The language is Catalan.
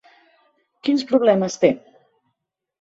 Quins problemes té?